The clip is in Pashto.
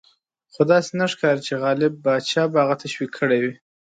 خو داسې نه ښکاري چې غالب پاشا به هغه تشویق کړی وي.